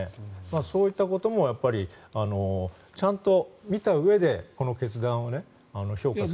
そういったこともちゃんと見たうえでこの決断を評価して。